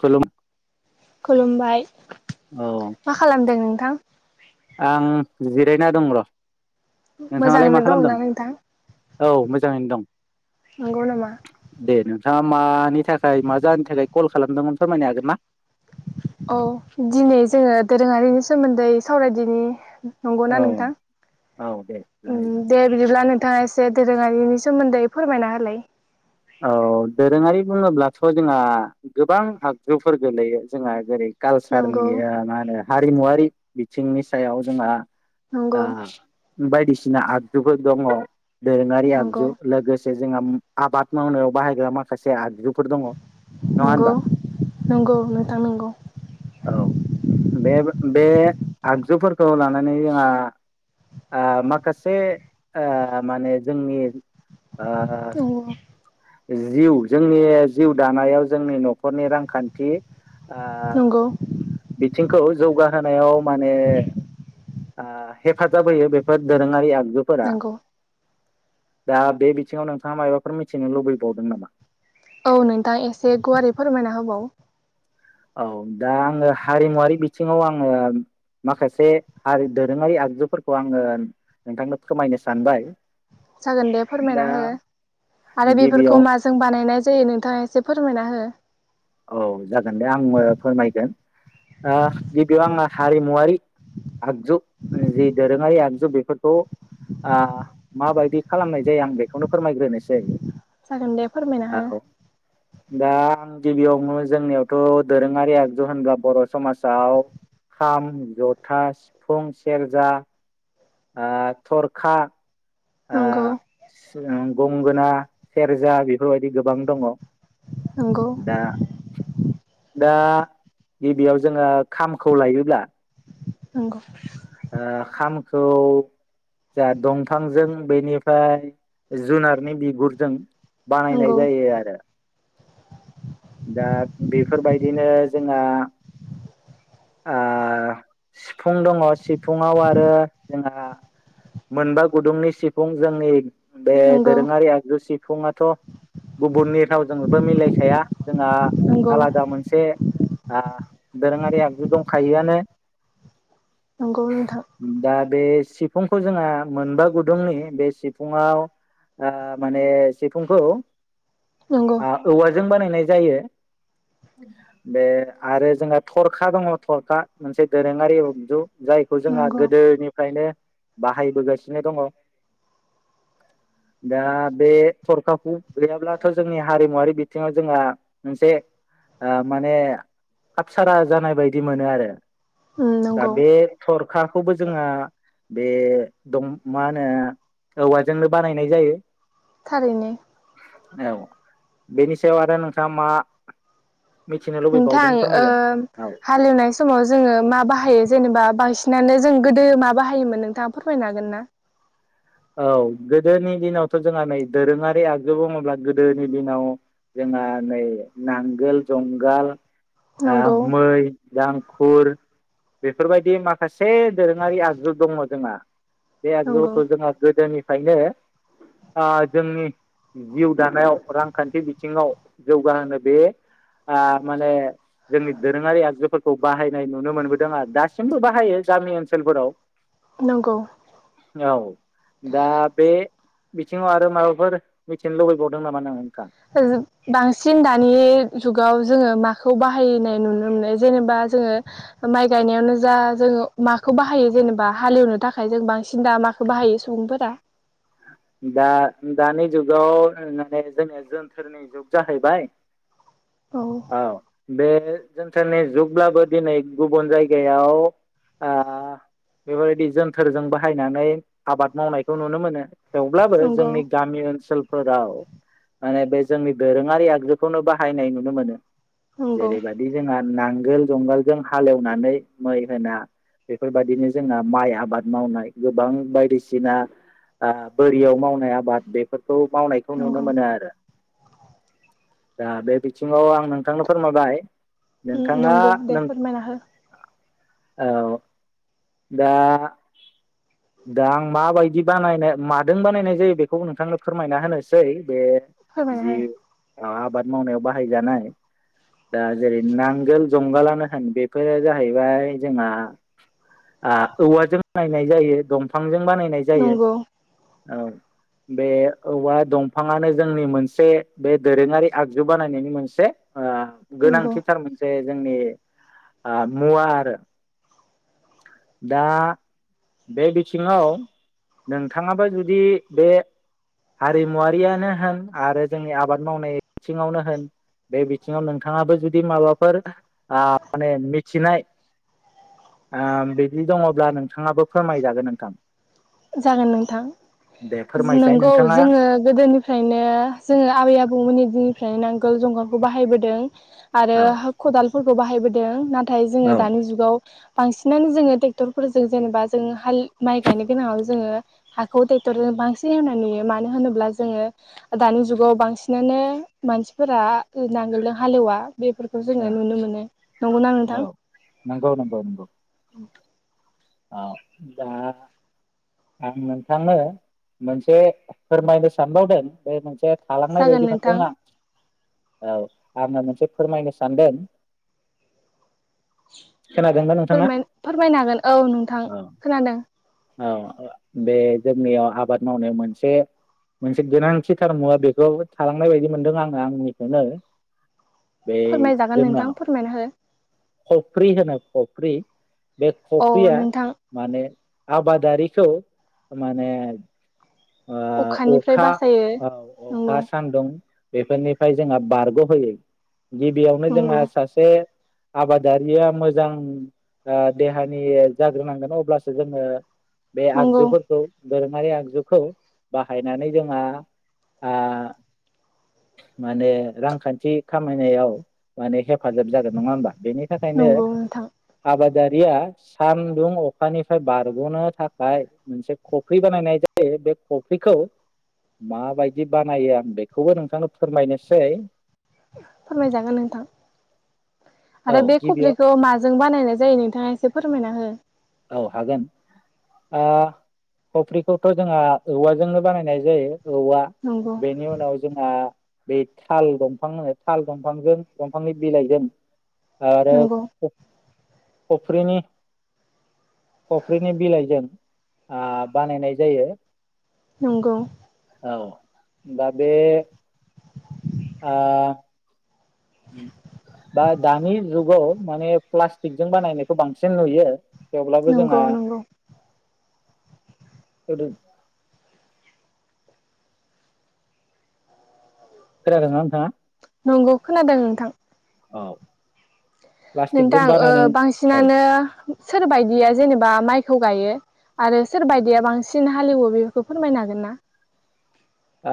खुलुम खुलुमबाय औ मा खालामदों नोंथां? आं जिरायना दं र' नोंथाङालाय मा मोजाङैनो खालामदों? दङना नोंथां औ मोजाङैनो दं नंगौ नामा दे नों नोंथाङा मानि थाखाय मा जाहोननि थाखाय कल खालामदोंमोन फोरमायनो हागोन ना? औ दिनै जोङो दोरोङारिनि सोमोन्दै सावरायदिनि औ नंगौना नोंथां औ दे रायजागोन। दे बिदिब्ला नोंथाङा एसे दे दोरोङारिनि सोमोन्दै फोरमायना होलाय औ दोरोङारि बुङोब्लाथ' जोंहा गोबां आगजुफोर गोलैयो जोंहा जेरै कालसारनि नंगौ ओ मा होनो हारिमुवारि बिथिंनि सायाव जोंहा ओ नंगौ बायदिसिना आगजुफोर दङ दोरोङारि नंगौ आगजु लोगोसे जोंहा आबाद मावनायाव बाहायग्रा माखासे आगजु फोर दङ नङा नंगौ होनबा नंगौ नोंथां नंगौ औ बे बे आगजुफोरखौ लानानै जोंहा ओ माखासे ओ माने जोंनि ओ जिउ जोंनि जिउ दानायाव जोंनि न'खरनि रांखान्थि ओ नंगौ बिथिंखौ जौगाहोनायाव माने ओ हेफाजाब होयो बेफोर दोरोङारि आग जुफोरा नंगौ दा बे बिथिङाव नोंथाङा मायबाफोर मिथि नो लुबैबावदों नामा? औ नोंथां एसे गुवारै फोरमायना होबाव औ दा आङो हारिमुवारारि बिथिङाव आङो माखासे हारि दोरोङारि आगजुफोरखौ आङो नोंथांनो फोरमायनो सानबाय जागोन दे दा फोरमायना हो आरो गिबियाव बेफोरखौ माजों बानायनाय जायो नोंथाङा एसे फोरमायना हो औ जागोन दे आंबो फोरमायगोन ओ गिबियाव आङो हारिमुवारि आगजु जे दोरोङारि आग जे बेफोरखौ आ माबायदि खालामनाय जायो आं बेखौनो फोरमायग्रोनोसै जागोन दे फोरमायना हो औ दा गिबियावनो जोंनियावथ' दोरोङारि आगजु होनब्ला बर' समाजाव खाम जथा सिफुं सेरजा आ थरखा नंगौ ओ गंगोना सेरजा बेफोरबायदि गोबां दङ। नंगौ दा दा गिबियाव जोङो खामखौ लायोब्ला नंगौ ओ खाम खौ जा दंफांजों बेनिफ्राय जुनारनि बिगुरजों बानायनाय नंगौ जायो आरो दा बेफोरबायदिनो जोंहा ओ सिफुं दङ सिफुंआव आरो जोंहा मोनबा गुदुंनि सिफ फुं जोंनि बे नंगौ दोरोङारि आगजु सिफुआथ' गुबुननि रावजों बो मिलायखाया जोंहा नंगौ आलादा मोनसे ओ दोरोङारि आगजु दंखायो थायोआनो नंगौ नोंथां बे सिफुंखौ जोंहा मोनबा गुदुंनि बे सिफुुंआव ओ माने सिफुंखौ नंगौ जों बानायनाय जायो बे आरो जोंहा थरखा दङ थरखा मोनसे दोरोङारि आगजु जायखौ जोंहा नंगौ गोदोनिफ्रायनो बाहायबोगासिनो दङ दा बे थरखाखौ गैयाब्लाथ' जोंनि हारिमुवारि बिथिङाव जोंहा मोनसे ओ माने हाबसारा जानाय बायदि मोनो आरो उम दा नंगौ बे थरखाखौबो जोङा बे दं मा होनो औवाजोंनो बानायनाय जायो थारैनो औ बेनि सायाव आरो नोंथाङा मा? मिथिनो लुबैबावदों नोंथां ओ‌ फोरमायजागोन औ हालेवनाय समाव जोङो मा बाहायो जेनेबा? बांसिनानो जों गोदो मा बाहायोमोन नोंथाङा फोरमायनो हागोन ना? औ गोदोनि दिनावथ' जोंहा नै दोरोङारि आगजु बुङोब्ला गोदोनि दिनाव जोंहा नै नांगोल जुंगाल ओ नंगौ मै दां गुर बेफोरबायदि माखासे दोरोङारि आगजु दङ जोंहा। बे नंगौ आगजुफोरखौ‌ जोङो गोदोनिफ्रायनो ओ जोंनि जिउ दानायाव रांखान्थि बिथिङाव जौगाहोनो बे माने जोंनि दोरोङारि आगजुफोरखौ बाहायनाय नुनो मोनबोदों आरो दासिमबो बाहायो गामि ओनसोलफोराव नंगौ। औ दा बे बिथिङाव आरो माबाफोर मिथिनो लुबैबावदों नामा नोंङो नोंथांङा? बांसिन दानि जुगाव जोङो माखौ बाहायनाय नुनो मोनो जेनेबा जोङो माइ गायनायावनो जा जोङो माखौ बाहायो जेनेबा हालेवनो थाखाय जों बांसिन दा माखौ बाहायो सुबुंफोरा? दा दानि जुगाव माने जोंनिया जोन्थोरनि जुग जाहैबाय। औ। बे जोनथोरनि जुगब्लाबो दिनै गुबुन जायगायाव ओ बेफोरबायदि जोनथोरजों बाहायनानै आबाद मावनायखौ नुनो मोनो। थेवब्लाबो नंगौ जोंनि गामि ओनसोल फोराव माने बे जोंनि दोरोङारि आगजुखौनो बाहायनाय नुनो मोनो। नंगौ जेरै बादि जोंहा नांगोल जुंगालजों हालेवनानै मै होना बेफोरबायदिनो जोंहा माइ आबाद मावनाय गोबां बायदिसिना ओ बोरियाव मावनाय आबाद बेफोर खौ मावनायखौ नंगौ नुनो मोनो आरो। दा बे बिथिङाव आं नोंथांनो फोरमायबाय। नोंथाङा नंगौ दे नों फोरमायना हो। औ दा दा आं मा बायदि बानायनो मादों बानायनाय जायो बेखौ नोंथांनो फोरमायना होनोसै बे फोरमायना जि हो आं आबाद मावनायाव बाहायजानाय दा ओ जेरै नांगोल जुंगालनो होन बेफोरो जाहैबाय जोंहा ओ औवाजों बानायनाय जायो। दंफांजों बानायनाय जायो। नंगौ ओ बे औवा दंफाङानो जोंनि मोनसे बे दोरोङारि आगजु बानायनायनि मोनसे ओ नंगौ गोनांथिथार मोनसे जोंनि ओ मुवा आरो दा बे बिथिङाव नों नोंथाङाबो जुदि बे हारिमुवारियानो होन आरो जोंनि आबाद मावनाय बिथिङावनो होन बे बिथिङाव नोंथाङाबो जुदि माबाफोर ओ माने मिथिनाय बिदि दङब्ला नोंथाङाबो फोरमायजागोन नोंथां। जागोन नों थां दे फोरमायसाय नंगौ नोंथाङा जोङो गोदोनिफ्रायनो जोङो आबै-आबौमोननि फ्रायनो नांगोल जंगालखौ बाहायबोदों। आरो औ खदालफोर खौ बाहायबोदों ना नाथाय जोङो औ दानि जुगाव बांसिनानो जोङो ट्रेक्टरफोरजों जेनेबा जों हालि माइ गायनो। गोनाङाव जोङो हाखौ ट्रेक्टरजों बांसिन एवनानै नुयो मानो होनोब्ला जोङो दानि जुगाव बांसिनानो मानसिफोरा नांगोलजों हालेवा बेफोरखौ जोङो नुनो मोनो नंगौना नोंथां। औ नंगौ अ दा आं नोंथांनो मोनसे फोरमायनो सानबावदों बे मोनसे खालामांनाय जागोन बायदि नोंथां मोनदों। औ आङो मोनसे फोरमायनो सानदों। खोनादोंना फोर नोंथाङा फोरमायनो हागोन औ। औ नोंथां औ खोनादों। औ बे जोंनियाव आबाद मावनायाव मोनसे मोनसे गोनांथिथार मुवा बेखौ थालांनाय बायदि मोनदों आङो आंनिखौनो। बे फोरमायजागोन जोंना नोंथां फोरमायना हो। खफ्रि होनो खफ्रि बे अ फ्रिया नोंथां माने आबादारिखौ माने ओ अखानिफ्राय अखा बासायो औ नंगौ अखा सान्दुं बेफोरनिफ्राय जोंहा बारग' होयो। गिबियावनो नंगौ जोंहा सासे आबादारिया मोजां ओ देहानि जाग्रोनांगोन अब्लासो जोङो बे नंगौ आगजुफोरखौ दोरोङारि आगजुखौ बाहायनानै जोंहा आ माने रांखान्थि खामायनायाव माने हेफा हेफाजाब जागोन नङा होमबा बेनि थाखायनो नंगौ नोंथां आबाद। दारिया सानदुं अखानिफ्राय बारग'नो थाखाय मोनसे खफ्रि बानायनाय जायो बे कफिखौ माबायदि बानायो आं बेखौबो नोंथांनो फोरमायनोसै। फोरमायजागोन नोंथां औ आरो बे गिबियाव खफ्रिखौ माजों बानायनानै जायो नोंथाङा एसे फोरमायना हो औ हागोन ओ खफ्रिखौथ' जोंहा औवाजोंनो बानायनाय जायो। औवा नंगौ बेनि उनाव जोंहा बे थाल दंफां होनो थाल दंफांजों दंफांनि बिलाइजों आरो नंगौ खफ्रिनि खफ्रिनि बिलाइजों बानायनाय जायो। नंगौ। औ दा बेे आ बा दानि जुगाव माने प्लास्टिकजों बानायनायखौ नुयो। थेवब्लाबो नंगौ जोंहा नंगौ [inaudible] खोनादों ना नोंथाङा? नंगौ खोनादों नोंथां। औ। नोंथां प्लास्टिकजों ओ बानायनाय औ बांसिनानो सोरबायदिया जेनेबा माइखौ गायो आरो सोरबादिया बांसिन हालेवो बेफोरखौ फोरमायनो हागोन ना? ओ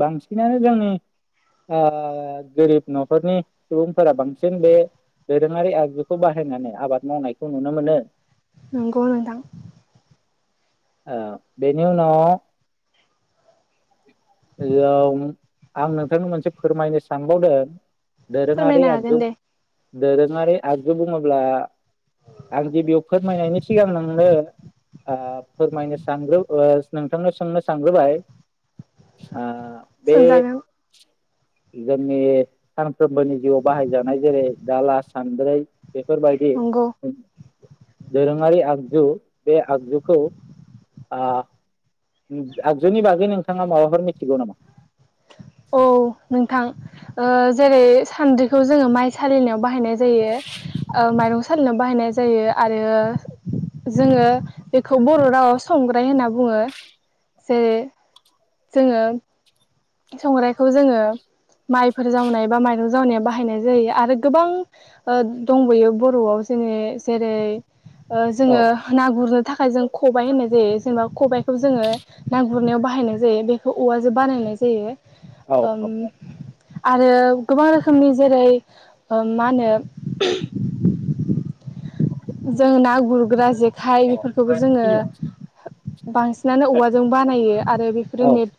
बांसिनानो जोंनि ओ गोरिब न'खरनि सुबुंफोरा बांसिन बे दोरोङारि आगजुखौ बाहायनानै आबाद मावनायखौ नुनो मोनो। नंगौ नोंथां। आ बेनि उनाव औ आं नोंथांनो मोनसे फोरमायनो सानबावदों। दोरोङारि फोरमायनो हागोन आगजु दे दोरोङारि आगजु बुङोब्ला आं गिबियाव फोरमायनायनि सिगां नोंनो ओ फोरमायनो सानग्रो नोंथांनो सोंनो सानग्रोबाय अ। बे सोंजागोन जोंनि सानफ्रोमबोनि जिउआव बाहायजानाय जेरै दाला-सानद्रि बेफोर बायदि नंगौ दोरोङारि आगजु बे आगजुखौ ओ आगजुनि बागै नोंथां। नोंथाङा माबाफोर मिथिगौ नामा? औ नोंथां। ओ जेरै सान्द्रिखौ जोङो माइ सालिनायाव बाहायनाय जायो ओ माइरं सालिनायाव बाहायनाय जायो आरो जोङो बेखौ बर' रावाव संग्राय होनना बुङो जेरै जोङो संग्राइखौ जोङो माइफोर जावनाय बा माइरं जावनाया बाहायनाय जायो आरो गोबां दंबयो बर'आव जेननि जेरै ओ औ जोङो ना गुरनो थाखाय जों खबाय होननाय जायो। जेनेबा खबाइखौ जोङो ना गुरनायाव बाहायनाय जायो बेखौ औवाजों बानायनाय जायो। जायो। औ ओम आरो गोबां रोखोमनि जेरै ओ मा होनो। जों ना गुरग्रा जेखाइ बेफोरखौबो जोङो बांसिनानो औवाजों बानायो आरो बेफोरो औ नेट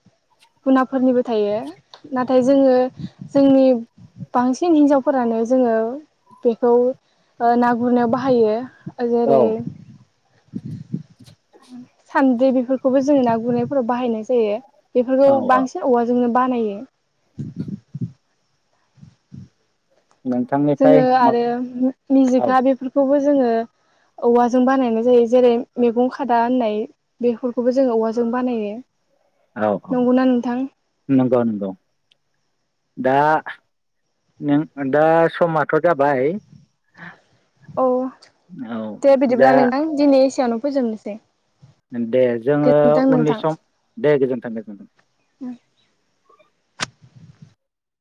गुनाफोरनिबो थायो नाथाय जोङो जोंनि बांसिन हिनजावफोरानो जोङो बेखौ ओ ना गुरनायाव बाहाय हायो। औ जेरै सान्दे बि फोरखौबो जोङो ना गुरनायफोराव बाहायनाय जायो। बेफोरखौ औ बांसिन औवाजोंनो बानायो। नोंथांनिफ्राय जोङो आरो औ मिजिकआ बेफोरखौबो जोङो औवाजों बानायनाय जायो जेरै मैगं खादा होननाय बेफोरखौबो जोङो औवाजों बानायो। औ औ नंगौना नोंथां नंगौ नंगौ। दा नों दा समथ' जाबाय। औ औ दे दा बिदिब्ला नोंथां दिनै एसेयावनो फोजोबनोसै। दे जोङो गोजोनथों उननि नोंथां सम दे गोजोन्थों गोजोन्थों। उम